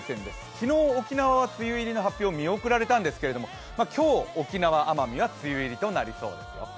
昨日、沖縄は梅雨入りの発表見送られたんですけれども今日、沖縄・奄美は梅雨入りとなりそうですよ。